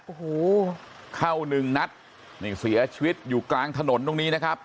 โอ้โหเข้าหนึ่งนัดนี่เสียชีวิตอยู่กลางถนนตรงนี้นะครับ